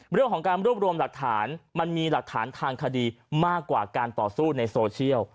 เรื่องของการรวบรวมหลักฐานมันมีหลักฐานทางคดีมากกว่าการต่อสู้ในโซเชียล